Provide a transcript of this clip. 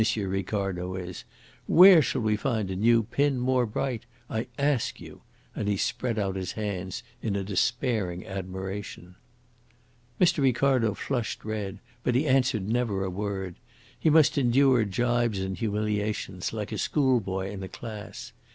Ricardo is! Where shall we find a new pin more bright? I ask you," and he spread out his hands in a despairing admiration. Mr. Ricardo flushed red, but he answered never a word. He must endure gibes and humiliations like a schoolboy in a class.